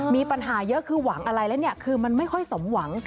มีปัญหาเยอะคือหวังอะไรแล้วเนี่ยคือมันไม่ค่อยสมหวัง